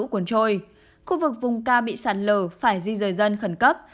mưa lũ cuốn trôi khu vực vùng ca bị sản lở phải di rời dân khẩn cấp